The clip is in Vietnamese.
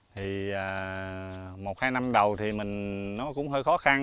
thì một hai năm đầu thì mình nó cũng hơi khó khăn